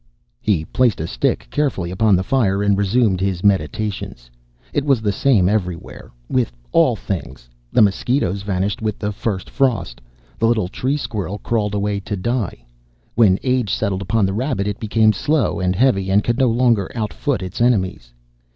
He placed a stick carefully upon the fire and resumed his meditations. It was the same everywhere, with all things. The mosquitoes vanished with the first frost. The little tree squirrel crawled away to die. When age settled upon the rabbit it became slow and heavy, and could no longer outfoot its enemies.